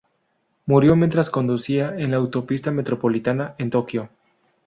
Murió mientras conducía en la autopista metropolitana en Tokio.